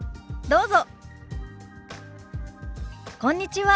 どうぞ。